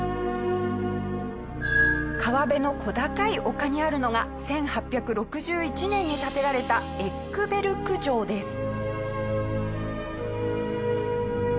川辺の小高い丘にあるのが１８６１年に建てられたエックベルク城です。